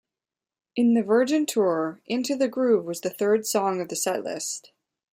In The Virgin Tour, "Into the Groove" was the third song of the setlist.